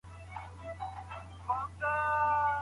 آیا د کندهار ممیز ډېر شهرت لري؟.